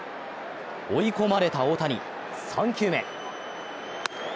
追い込まれた大谷、３球目。